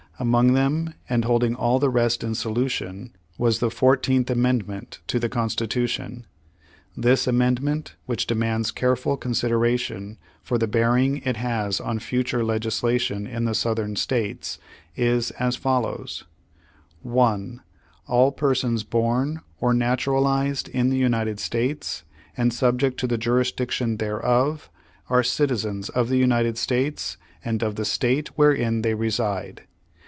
Among them, and holding all the rest in solution, was the Fourteenth Amendment to the Constitution. This amendment, which demands careful con sideration, for the bearing it has on future legis lation in the Southern States, is as follows: 1. All persons born or naturalized in the United States, and subject to the jurisdiction thereof, are citizens of the United States and of the State wherein they reside.